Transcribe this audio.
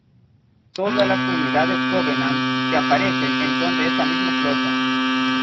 Todas las unidades Covenant que aparecen en son de esta misma flota.